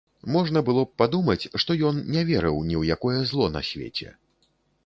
Можна было б падумаць, што ён не верыў ні ў якое зло на свеце.